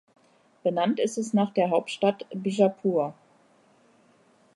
Benannt ist es nach der Hauptstadt Bijapur.